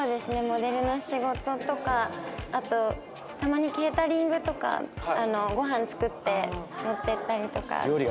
モデルの仕事とかあとたまにケータリングとかごはん作って持っていったりとか。